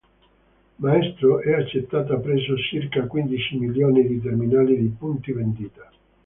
Maestro è accettata presso circa quindici milioni di terminali di punti vendita.